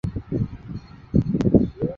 我那冷漠的口气为妳温柔